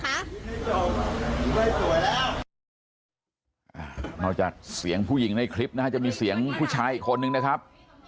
นอกจากเสียงผู้หญิงในคลิปนะฮะจะมีเสียงผู้ชายอีกคนนึงนะครับ